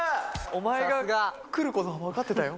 お前が来ることは分かってたよ。